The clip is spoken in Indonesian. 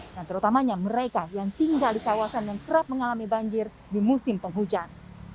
dan terutamanya mereka yang tinggal di kawasan yang kerap mengalami banjir di musim penghujan